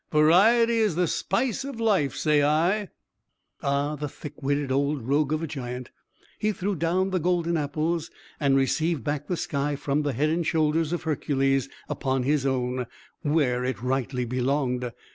Variety is the spice of life, say I." Ah, the thick witted old rogue of a giant! He threw down the golden apples, and received back the sky from the head and shoulders of Hercules, upon his own, where it rightly belonged.